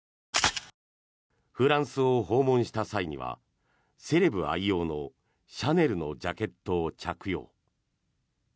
フランスを訪問した際にはセレブ愛用のシャネルのジャケットを着用。